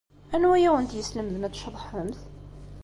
Anwa ay awent-yeslemden ad tceḍḥemt?